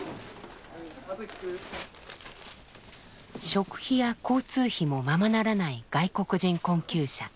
食費や交通費もままならない外国人困窮者